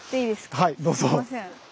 はいどうぞ。